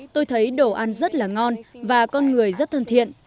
tôi thấy đồ ăn rất là ngon và con người rất thân thiện